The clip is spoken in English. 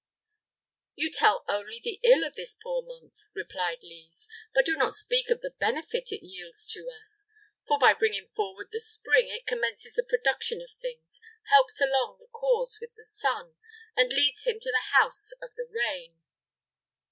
"You tell only the ill of this poor month," replied Lise, "but do not speak of the benefits it yields to us; for, by bringing forward the spring, it commences the production of things, helps along the cause with the sun, and leads him to the house of the rain."